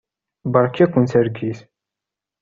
Beṛka-ken targit.